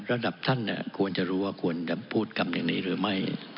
ระดับท่านควรจะรู้ว่าควรจะพูดกันอย่างนี้หรือไม่